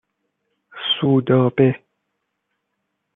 سودابه